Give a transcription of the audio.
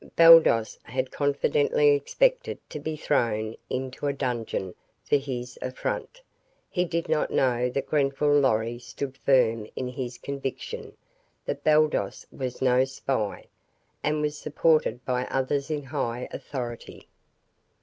Baldos had confidently expected to be thrown into a dungeon for his affront. He did not know that Grenfall Lorry stood firm in his conviction that Baldos was no spy, and was supported by others in high authority.